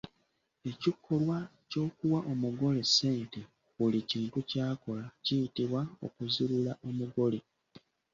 Ekikolwa eky'okuwa omugole ssente ku buli kintu ky'akola kiyitibwa okuzirula omugole.